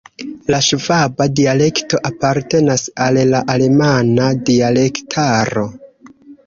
La ŝvaba dialekto apartenas al la alemana dialektaro.